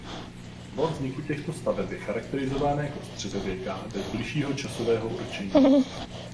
Doba vzniku těchto staveb je charakterizována jako "středověká" bez bližšího časového určení.